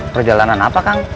perjalanan apa kang